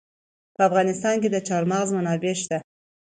په افغانستان کې د چار مغز منابع شته.